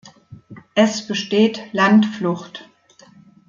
Es besteht Landflucht.